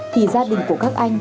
thì gia đình của các anh